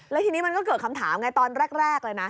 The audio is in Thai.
แล้วทีนี้มันก็เกิดคำถามไงตอนแรกเลยนะ